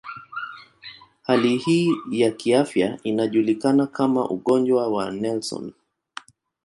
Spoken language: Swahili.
Hali hii ya kiafya inajulikana kama ugonjwa wa Nelson.